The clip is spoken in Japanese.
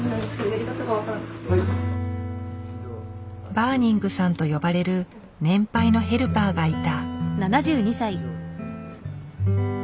「バーニングさん」と呼ばれる年配のヘルパーがいた。